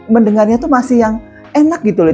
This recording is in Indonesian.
mendengarnya itu masih yang enak gitu loh